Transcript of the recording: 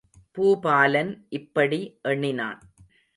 பூபாலன் இப்படி எண்ணினான்.